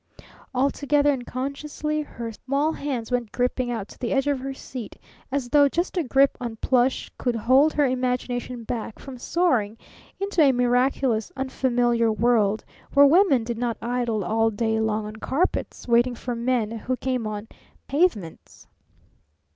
Altogether unconsciously her small hands went gripping out to the edge of her seat, as though just a grip on plush could hold her imagination back from soaring into a miraculous, unfamiliar world where women did not idle all day long on carpets waiting for men who came on pavements.